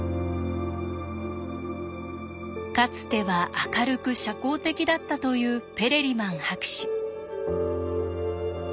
かつては明るく社交的だったというペレリマン博士。